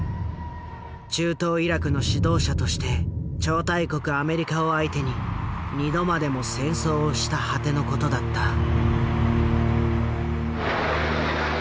中東イラクの指導者として超大国アメリカを相手に２度までも戦争をした果ての事だった。